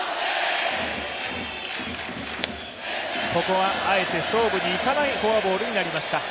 ここはあえて勝負にいかないフォアボールになりました。